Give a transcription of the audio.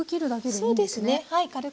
そうですねはい。